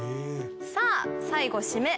さあ最後締め。